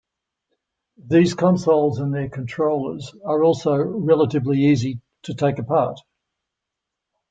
These consoles and their controllers are also relatively easy to take apart.